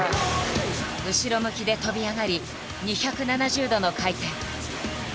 後ろ向きで跳び上がり２７０度の回転。